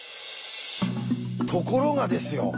ところがですよ